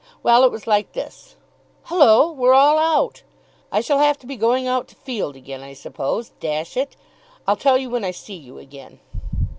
Well it was like this Hullo! We're all out I shall have to be going out to field again, I suppose, dash it! I'll tell you when I see you again."